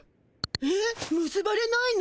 えっ？むすばれないの？